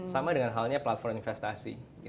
sama dengan halnya platform investasi